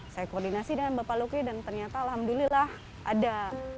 saya koordinasi dengan bapak luki dan ternyata alhamdulillah ada